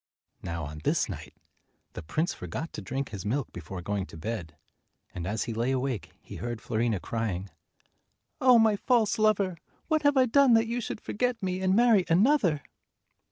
Now on this night, the prince forgot to drink his milk before going to bed, and as he lay awake he heard Fiorina crying, "Oh, my false lover ! What have I done that you should forget me and marry another?"